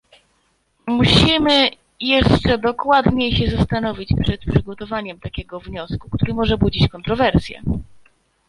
Musimy jeszcze dokładniej się zastanowić przed przygotowaniem takiego wniosku, który może budzić kontrowersje